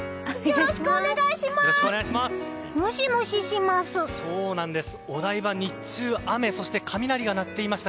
よろしくお願いします！